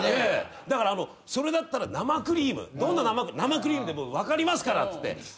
だから「それだったら生クリーム」「生クリームでもう分かりますから」っつって。